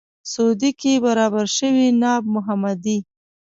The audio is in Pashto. سعودي کې برابر شوی ناب محمدي.